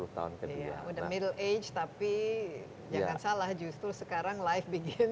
udah middle age tapi jangan salah justru sekarang live dingin